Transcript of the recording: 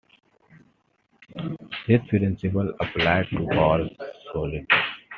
This principle applies to all solids.